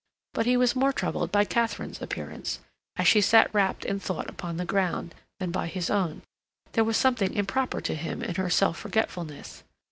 But he was more troubled by Katharine's appearance, as she sat rapt in thought upon the ground, than by his own; there was something improper to him in her self forgetfulness.